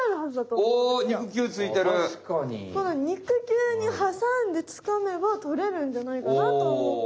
この肉球にはさんでつかめばとれるんじゃないかなとおもって。